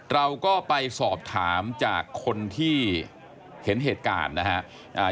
เราก็ไปสอบถามจากคนที่เห็นเหตุการณ์นะครับ